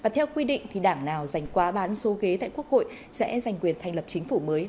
theo quy định đảng nào giành quá bán số ghế tại quốc hội sẽ giành quyền thành lập chính phủ mới